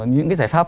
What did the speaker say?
những cái giải pháp